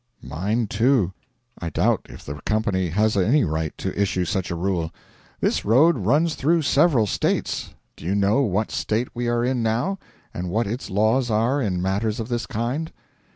'Mine, too. I doubt if the company has any right to issue such a rule. This road runs through several States. Do you know what State we are in now, and what its laws are in matters of this kind?'